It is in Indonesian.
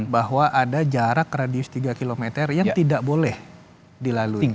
bahwa ada jarak radius tiga km yang tidak boleh dilalui